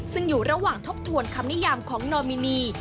ซึ่งอยู่ระหว่างทบทวนคำนิยามของนอมินี